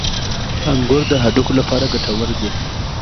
• انګور د هډوکو لپاره ګټور دي.